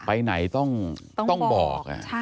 ไปไหนต้องบอก